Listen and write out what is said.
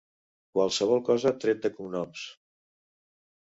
Qualsevol cosa tret de cognoms.